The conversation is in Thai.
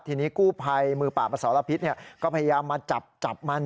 ทีนี้กู้ภัยมือป่าประสรพิษก็พยายามมาจับจับมัน